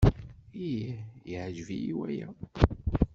Ih, yeɛjeb-iyi waya.